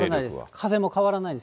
風も変わらないです。